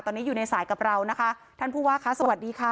ตอนนี้อยู่ในสายกับเรานะคะท่านผู้ว่าคะสวัสดีค่ะ